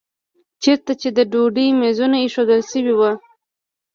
چېرته چې د ډوډۍ میزونه ایښودل شوي وو.